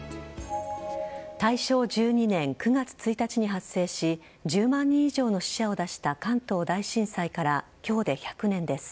大正１２年９月１日に発生し１０万人以上の死者を出した関東大震災から今日で１００年です。